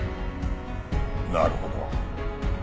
なるほど。